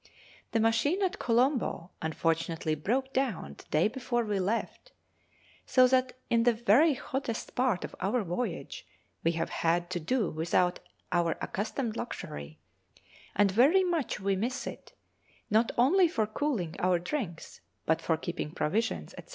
The machine at Colombo unfortunately broke down the day before we left, so that in the very hottest part of our voyage we have had to do without our accustomed luxury; and very much we miss it, not only for cooling our drinks, but for keeping provisions, &c.